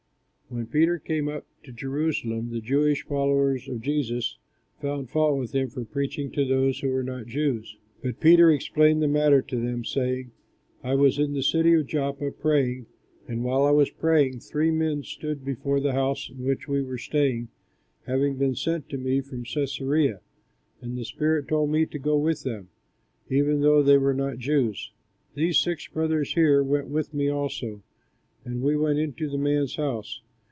When Peter came up to Jerusalem, the Jewish followers of Jesus found fault with him for preaching to those who were not Jews. But Peter explained the matter to them, saying, "I was in the city of Joppa praying; and while I was praying, three men stood before the house in which we were staying, having been sent to me from Cæsarea. And the Spirit told me to go with them, even though they were not Jews. These six brothers here went with me also; and we went into the man's house.